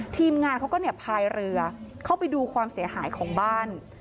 ทีมงานเขาก็พายเรือเข้าไปดูความเสียหายของบ้าน